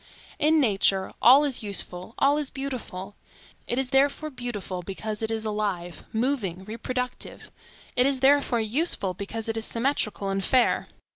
In nature, all is useful, all is beautiful. It is therefore beautiful because it is alive, moving, reproductive; it is therefore useful because it is symmetrical and fair.